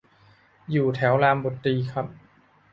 อยู่แถวรามบุตรีครับ